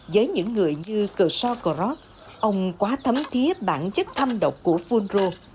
với những người như kershaw krop ông quá thấm thiếp bản chất thâm độc của phunro